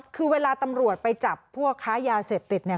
คือเวลาตำรวจไปจับพวกค้ายาเสพติดเนี่ย